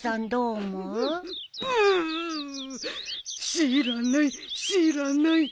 知らない知らない。